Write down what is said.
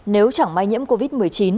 nếu chẳng may nhiễm covid một mươi chín